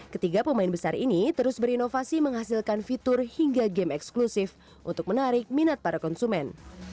ketiga pemain besar ini terus berinovasi menghasilkan fitur hingga game eksklusif untuk menarik minat para konsumen